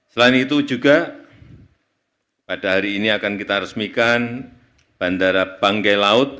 selain itu juga pada hari ini akan kita resmikan bandara banggai laut